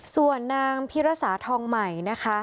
ส่วนนางพิรษาทองใหม่